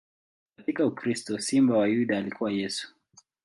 Katika ukristo, Simba wa Yuda alikuwa Yesu.